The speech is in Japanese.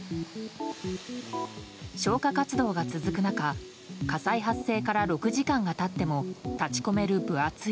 消火活動が続く中火災発生から６時間が経っても立ち込める分厚い